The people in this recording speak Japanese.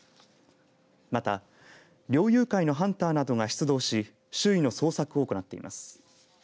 また猟友会のハンターなどが出動し周囲の捜索を行っています。